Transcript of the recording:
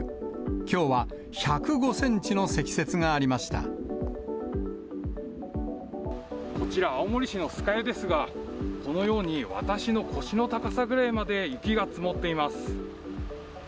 きょうは１０５センチの積雪があこちら、青森市の酸ヶ湯ですが、このように私の腰の高さぐらいまで雪が積もっています。